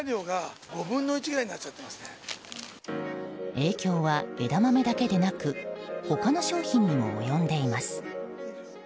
影響は枝豆だけでなく他の商品にも及んでいます。